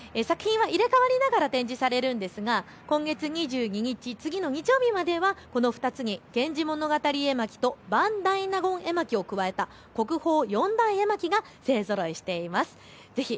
作品は入れ替わりながら展示されるんですが今月２２日、次の日曜日まではこの２つに源氏物語絵巻と伴大納言絵巻を加えた国宝四大絵巻が勢ぞろいしています。